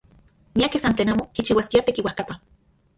Miakej san tlen amo kichiuaskiaj tekiuajkapa.